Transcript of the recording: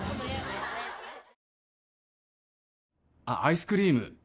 あっアイスクリーム